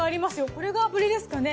これが炙りですかね。